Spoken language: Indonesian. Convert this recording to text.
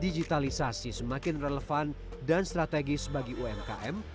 digitalisasi semakin relevan dan strategis bagi umkm